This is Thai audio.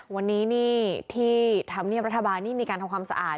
วันนี้นี่ที่ธรรมเนียบรัฐบาลนี่มีการทำความสะอาด